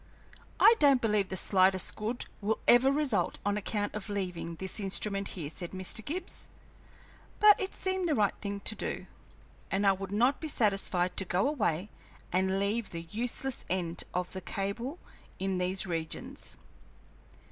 "I don't believe the slightest good will ever result on account of leaving this instrument here," said Mr. Gibbs; "but it seemed the right thing to do, and I would not be satisfied to go away and leave the useless end of the cable in these regions.